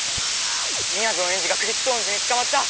「みやぞんエンジがクリプトオンズにつかまった！」。